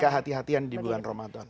kehatian di bulan ramadan